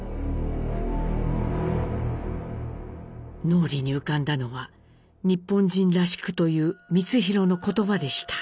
脳裏に浮かんだのは「日本人らしく」という光宏の言葉でした。